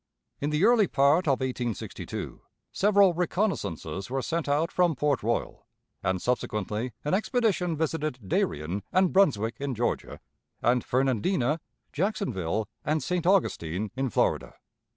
In the early part of 1862 several reconnaissances were sent out from Port Royal, and subsequently an expedition visited Darien and Brunswick in Georgia, and Fernandina, Jacksonville, and St. Augustine in Florida.